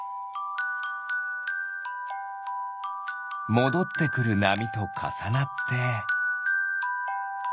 もどってくるなみとかさなって。